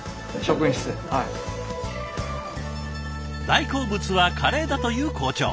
大好物はカレーだという校長。